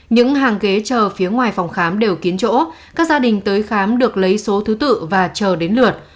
những hàng ghế chờ phía ngoài phòng khám đều kín chỗ các gia đình tới khám được lấy số thứ tự và chờ đến lượt